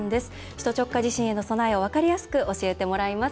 首都直下地震への備えを分かりやすく伝えてもらいます。